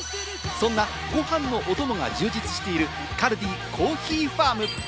そんな、ご飯のお供が充実しているカルディ・コーヒーファーム。